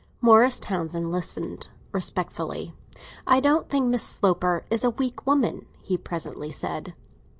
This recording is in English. Morris Townsend listened respectfully. "I don't think Miss Sloper is a weak woman," he presently said.